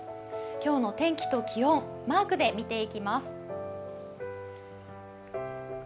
今日の天気と気温、マークで見ていきます。